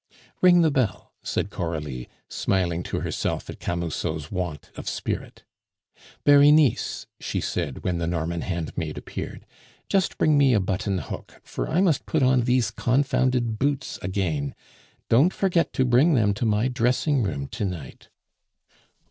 "Ring the bell," said Coralie, smiling to herself at Camusot's want of spirit. "Berenice," she said, when the Norman handmaid appeared, "just bring me a button hook, for I must put on these confounded boots again. Don't forget to bring them to my dressing room to night."